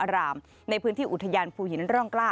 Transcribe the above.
รามในพื้นที่อุทยานภูหินร่องกล้า